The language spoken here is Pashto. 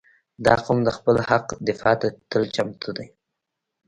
• دا قوم د خپل حق دفاع ته تل چمتو دی.